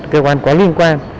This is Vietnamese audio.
cơ quan quá liên quan